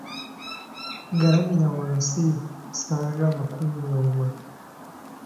Galamira wansi saagala kunnyooma.